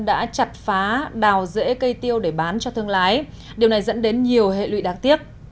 đã chặt phá đào rễ cây tiêu để bán cho thương lái điều này dẫn đến nhiều hệ lụy đáng tiếc